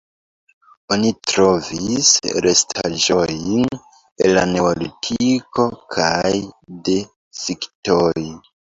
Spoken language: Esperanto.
Oni trovis restaĵojn el la neolitiko kaj de skitoj.